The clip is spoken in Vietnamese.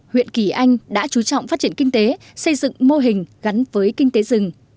huyện kỳ anh đã chú trọng phát triển kinh tế xây dựng mô hình gắn với kinh tế rừng